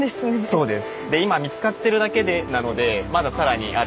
そうです！